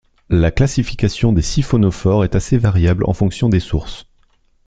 La classification des siphonophores est assez variable en fonction des sources.